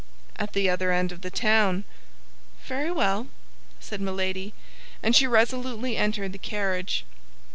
"At the other end of the town." "Very well," said Milady; and she resolutely entered the carriage.